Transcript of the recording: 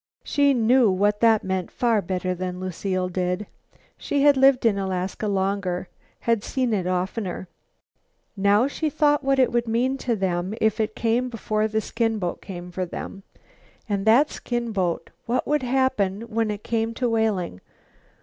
She knew what that meant far better than Lucile did. She had lived in Alaska longer, had seen it oftener. Now she thought what it would mean to them if it came before the skin boat came for them. And that skin boat? What would happen when it came to Whaling?